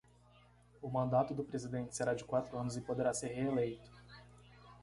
O mandato do presidente será de quatro anos e poderá ser reeleito.